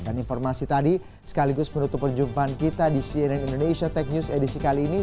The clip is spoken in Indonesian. dan informasi tadi sekaligus menutup perjumpaan kita di cnn indonesia tech news edisi kali ini